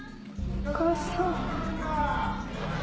お母さん。